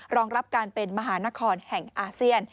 รองรับการเป็นมหานครแห่งอาเซียน